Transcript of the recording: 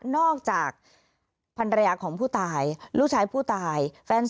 นอกจากพันรยาของผู้ตายลูกชายผู้ตาย